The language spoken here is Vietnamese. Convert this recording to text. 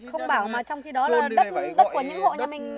không bảo mà trong khi đó là đất đất của những hộ nhà mình